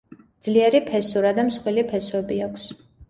ძლიერი ფესურა და მსხვილი ფესვები აქვს.